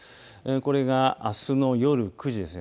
これがあすの夜９時ですね